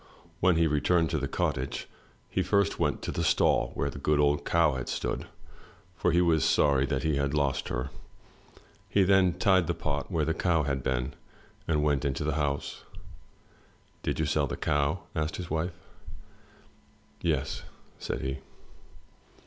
When he returned to the cottage he first went to the stall where the good old cow had stood, for he was sorry that he had lost her. He then tied the pot where the cow had been, and went on into the house. *'Did you sell the cow?" asked his wife. "Yes," said he.